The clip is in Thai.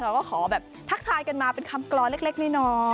แล้วก็ขอแบบทักทายกันมาเป็นคำกรรมเล็กนิดน้อย